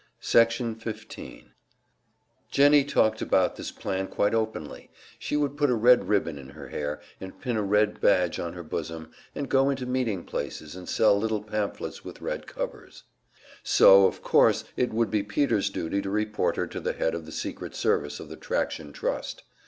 Section 15 Jennie talked about this plan quite openly; she would put a red ribbon in her hair, and pin a red badge on her bosom, and go into meeting places and sell little pamphlets with red covers. So, of course, it would be Peter's duty to report her to the head of the secret service of the Traction Trust.